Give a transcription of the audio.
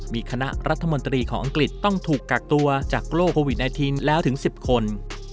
มีคณะรัฐมนตรีของอังกฤษต้องถูกกักตัวจากโรคโควิด๑๙แล้วถึง๑๐คน